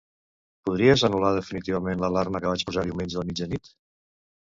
Podries anul·lar definitivament l'alarma que vaig posar diumenge a mitjanit?